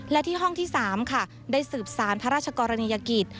และที่ห้องที่๓ค่ะได้สืบสารพระราชกรณียกิจ